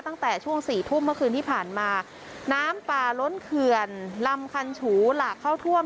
ตั้งแต่ช่วงสี่ทุ่มเมื่อคืนที่ผ่านมาน้ำป่าล้นเขื่อนลำคันฉูหลากเข้าท่วม